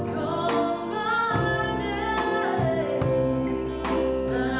ด้วยช่างเธอนะ